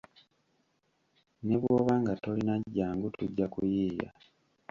Ne bwoba nga tolina jjangu tujja kuyiiya.